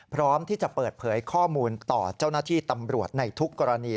พร้อมที่จะเปิดเผยข้อมูลต่อเจ้าหน้าที่ตำรวจในทุกกรณี